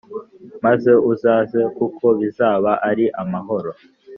maze uzaze kuko bizaba ari amahoro